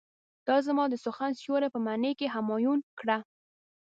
دا زما د سخن سيوری په معنی کې همایون کړه.